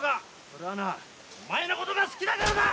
それはなお前のことが好きだからだ！